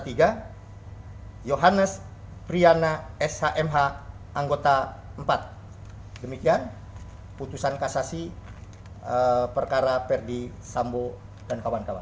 nomor enam nomor penduduk yang menjalankan pertemuan berpengalaman menjadi pidana penjara sepuluh tahun pt menguatkan pemohon kasasi penuntut umum dan terdakwa penjara dua puluh tahun pt menguatkan pemohon kasasi penuntut umum dan terdakwa